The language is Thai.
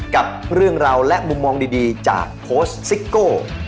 กับเรื่องราวและมุมมองดีจากโค้ชซิโก้